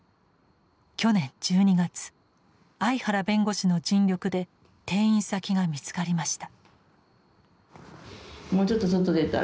去年１２月相原弁護士の尽力で転院先が見つかりました。